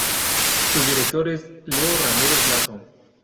Su director es Leo Ramírez Lazo.